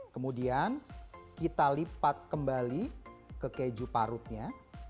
kemudian kita lipat kembali ke keju parutnya